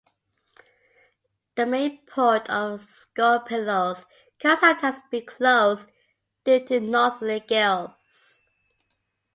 The main port of Skopelos can sometimes be closed due to northerly gales.